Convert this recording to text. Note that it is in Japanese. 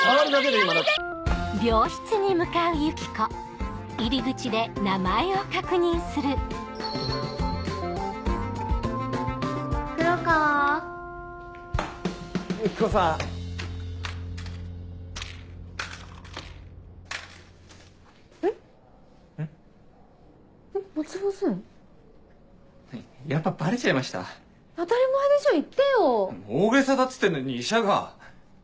大げさだっつってんのに医者が。